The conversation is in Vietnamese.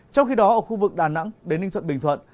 trong khi đó ở khu vực đà nẵng đến ninh thuận bình thuận